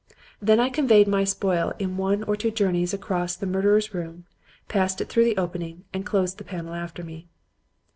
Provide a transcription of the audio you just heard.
Then I conveyed my spoil in one or two journeys across the murderers' room, passed it through the opening, and closed the panel after me.